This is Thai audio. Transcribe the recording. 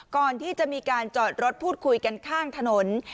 ก่อนที่จะมีการจอดรถพูดคุยกันข้างถนน